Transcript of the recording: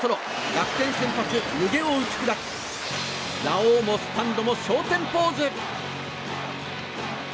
楽天先発、弓削を打ち砕きラオウもスタンドも昇天ポーズ！